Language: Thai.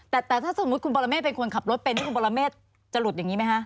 แต่ถ้าสมมุติคุณปรเมฆเป็นคนขับรถเป็นที่คุณปรเมฆจะหลุดอย่างนี้ไหมคะ